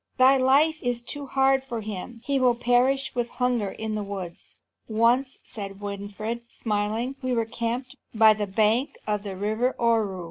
Thy life is too hard for him. He will perish with hunger in the woods." "Once," said Winfried, smiling, "we were camped by the bank of the river Ohru.